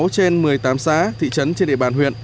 một mươi sáu trên một mươi tám xã thị trấn trên địa bàn huyện